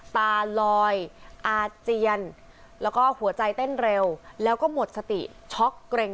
ตาลอยอาเจียนแล้วก็หัวใจเต้นเร็วแล้วก็หมดสติช็อกเกร็ง